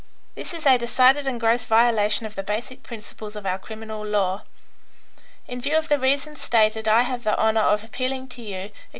This is a decided and gross violation of the basic principles of our criminal law. In view of the reasons stated, I have the honour of appealing to you, etc.